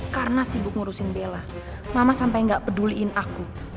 karena sibuk ngurusin bella mama sampai gak peduliin aku